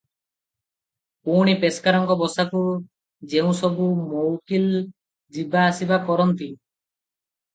ପୁଣି ପେସ୍କାରଙ୍କ ବସାକୁ ଯେଉଁ ସବୁ ମଉକିଲ ଯିବା ଆସିବା କରନ୍ତି